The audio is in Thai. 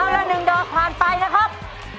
แล้ว๑ดอกผ่านไปนะครับ